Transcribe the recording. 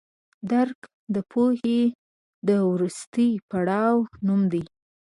درک د پوهې د وروستي پړاو نوم دی.